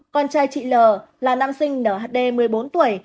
con trai chị l là nam sinh n h d một mươi bốn tuổi